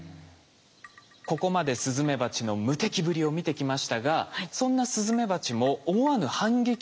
ここまでスズメバチの無敵ぶりを見てきましたがそんなスズメバチも思わぬ反撃に遭うこともあるんです。